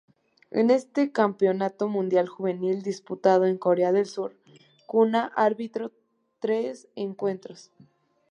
En este campeonato mundial juvenil disputado en Corea del Sur, Cunha arbitró tres encuentros.